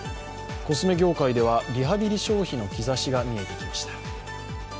コスメ業界ではリハビリ消費の兆しが見えてきました。